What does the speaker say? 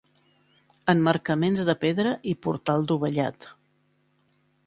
Emmarcaments de pedra i portal dovellat.